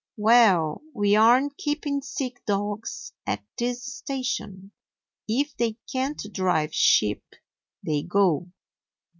"Well, we aren't keeping sick dogs at this station. If they can't drive sheep, they go.